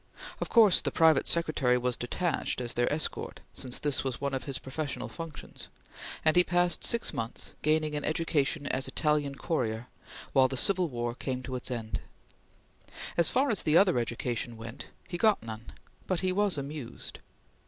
Of course the private secretary was detached as their escort, since this was one of his professional functions; and he passed six months, gaining an education as Italian courier, while the Civil War came to its end. As far as other education went, he got none, but he was amused.